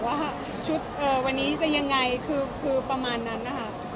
ว่าชุดวันนี้จะยังไงคือประมาณนั้นนะคะ